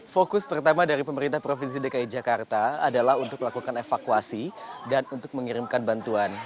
fokus pertama dari pemerintah provinsi dki jakarta adalah untuk melakukan evakuasi dan untuk mengirimkan bantuan